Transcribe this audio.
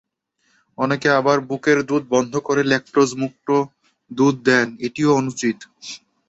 অনেকে আবার বুকের দুধ বন্ধ করে লেকটোজমুক্ত দুধ দেন, এটিও অনুচিত।